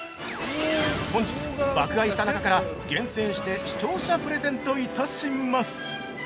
本日爆買いした中から厳選して視聴者プレゼントいたします！